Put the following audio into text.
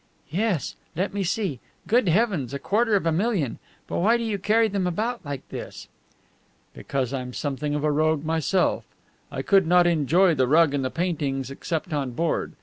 "Yes. Let me see good heavens, a quarter of a million! But why do you carry them about like this?" "Because I'm something of a rogue myself. I could not enjoy the rug and the paintings except on board.